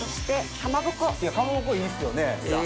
かまぼこいいっすよね。